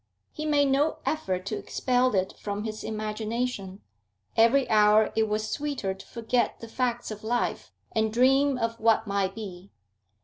He made no effort to expel it from his imagination; every hour it was sweeter to forget the facts of life and dream of what might be.